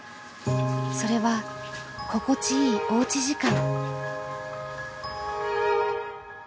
それはここちいいおうち時間。